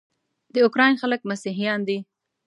د اوکراین خلک مسیحیان دي.